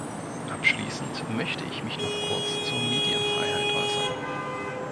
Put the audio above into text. Abschließend möchte ich mich noch kurz zur Medienfreiheit äußern.